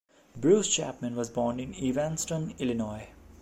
Bruce Chapman was born in Evanston, Illinois.